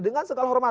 dengan segala hormat